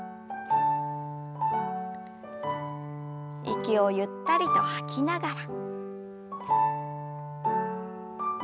息をゆったりと吐きながら。